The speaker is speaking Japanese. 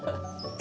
え！